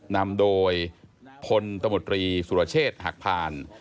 นำโดยธสุรเชษฐ์หักพาน